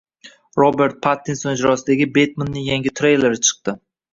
Robert Pattinson ijrosidagi Betmenning yangi treyleri chiqdi